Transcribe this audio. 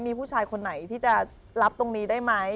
มีผู้ชายคนไหนที่จะรับตรงนี้ได้ไหม